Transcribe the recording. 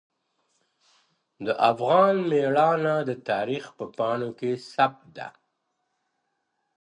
د افغان میړانه د تاریخ په پاڼو کې ثبت ده.